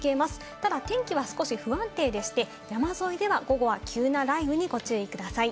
ただ、天気は少し不安定でして、山沿いでは午後は急な雷雨にご注意ください。